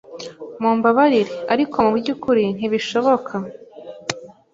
Mumbabarire, ariko mubyukuri ntibishoboka.